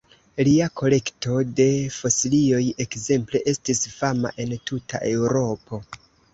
Lia kolekto de fosilioj ekzemple estis fama en tuta Eŭropo.